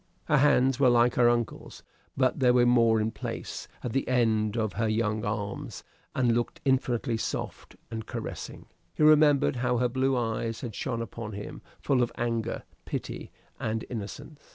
Her hands were like her uncle's; but they were more in place at the end of her young arms, and looked infinitely soft and caressing. He remembered how her blue eyes had shone upon him, full of anger, pity, and innocence.